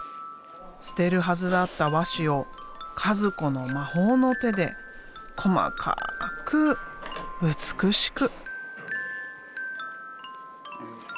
捨てるはずだった和紙を和子の魔法の手で細かく美しく。